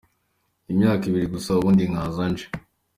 N’imyaka ibiri gusa, ubundi nkaza nje.